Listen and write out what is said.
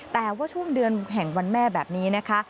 แต่ว่าช่วงเดือนแห่งวันแม่แบบนี้นะคะ